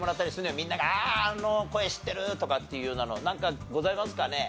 みんながあああの声知ってる！とかっていうようなのなんかございますかね？